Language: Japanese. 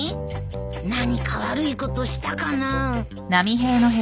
何か悪いことしたかな？